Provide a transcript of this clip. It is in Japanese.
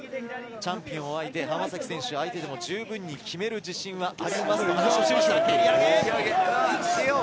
チャンピオンが相手浜崎選手が相手でも十分に決める自信はありますと話していた。